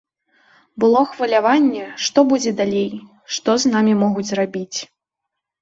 Было хваляванне, што будзе далей, што з намі могуць зрабіць.